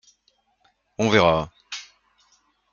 On verra.